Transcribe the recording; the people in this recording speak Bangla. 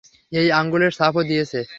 এই আঙুলের ছাপও দিয়েছে।